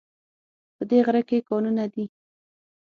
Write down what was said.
په دی غره کې کانونه دي